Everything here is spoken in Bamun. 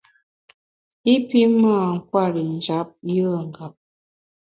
I pi mâ nkwer i njap yùe ngap.